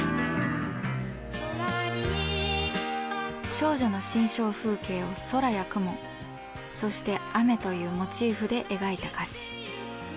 少女の心象風景を空や雲そして雨というモチーフで描いた歌詞。